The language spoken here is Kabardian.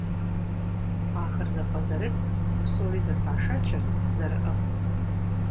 Ахэр зэпӏэзэрытт, псори зэпашачэрт, зэрыӏыгът.